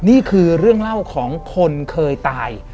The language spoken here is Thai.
นี่คือเรื่องเล่าของคนเคยตาย